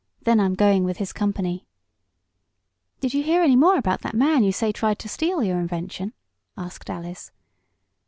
Then I'm going with his company." "Did you hear any more about that man you say tried to steal your invention?" asked Alice.